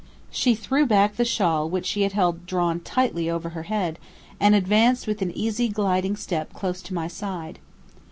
She threw back the shawl which she had held drawn tightly over her head, and advanced with an easy gliding step close to my side.